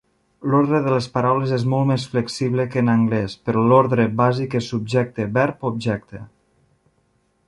L"ordre de les paraules és molt més flexible que en anglès, però l"ordre bàsic és subjecte-verb-objecte.